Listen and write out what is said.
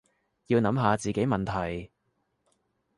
要諗下自己問題